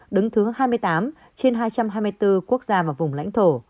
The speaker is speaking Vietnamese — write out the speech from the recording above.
đứng thứ hai mươi tám trên hai trăm hai mươi bốn quốc gia và vùng lãnh thổ